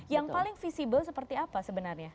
yang paling visible seperti apa sebenarnya